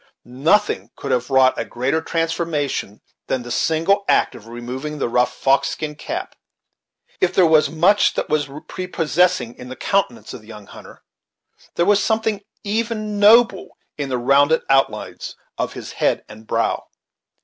Nothing could have wrought a greater transformation than the single act of removing the rough fox skin cap. If there was much that was prepossessing in the countenance of the young hunter, there was something even noble in the rounded outlines of his head and brow.